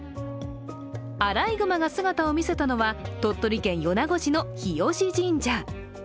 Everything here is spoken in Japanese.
アライグマが姿を見せたのは鳥取県米子市の日吉神社。